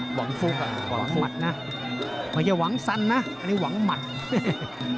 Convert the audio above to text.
เขาเรียกว่าตอนนี้วังมัตต์